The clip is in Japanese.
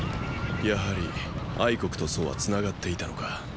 やはり国と楚はつながっていたのか。